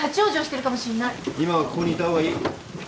今はここにいた方がいい。